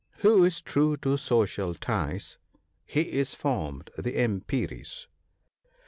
Who is true to social ties ?' He is formed for Emperies."